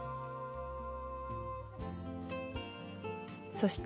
そして